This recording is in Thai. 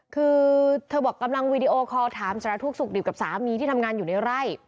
คือเธอบอกกำลังวีดีโอคอลถามสารทุกข์สุขดิบกับสามีที่ทำงานอยู่ในไร่